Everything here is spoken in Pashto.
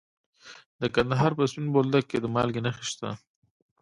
د کندهار په سپین بولدک کې د مالګې نښې شته.